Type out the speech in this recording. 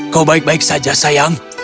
kau baik baik saja sayang